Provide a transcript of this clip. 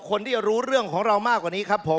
คนที่รู้เรื่องของเรามากกว่านี้ครับผม